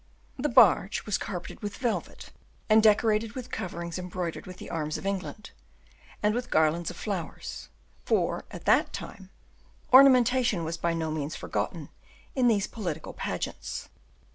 The barge was carpeted with velvet and decorated with coverings embroidered with the arms of England, and with garlands of flowers; for, at that time, ornamentation was by no means forgotten in these political pageants.